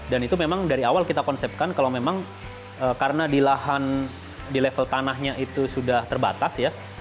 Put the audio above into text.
dan itu memang dari awal kita konsepkan kalau memang karena di level tanahnya itu sudah terbatas ya